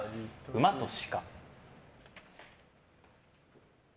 「馬と鹿」。